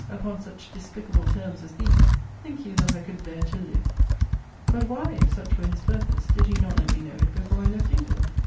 Upon such despicable terms as these, think you that I could bear to live? But why, if such were his purpose, did he not let me know it before I left England?